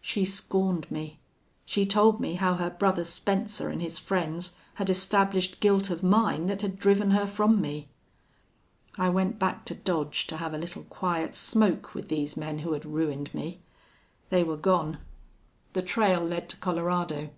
She scorned me. She told me how her brother Spencer an' his friends had established guilt of mine that had driven her from me. "I went back to Dodge to have a little quiet smoke with these men who had ruined me. They were gone. The trail led to Colorado.